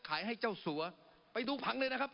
ให้เจ้าสัวไปดูผังเลยนะครับ